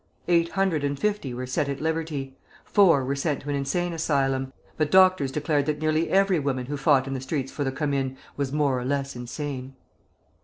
Eight hundred and fifty were set at liberty; four were sent to an insane asylum; but doctors declared that nearly every woman who fought in the streets for the Commune was more or less insane.